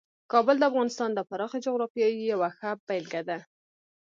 کابل د افغانستان د پراخې جغرافیې یوه ښه بېلګه ده.